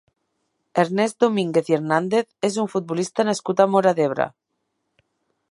Ernest Domínguez i Hernàndez és un futbolista nascut a Móra d'Ebre.